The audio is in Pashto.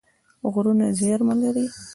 غرونه زیرمه لري.